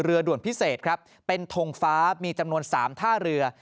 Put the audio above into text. ด่วนพิเศษครับเป็นทงฟ้ามีจำนวน๓ท่าเรือ